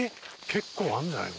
結構あるんじゃない？